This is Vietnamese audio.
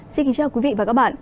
xin kính chào quý vị và các bạn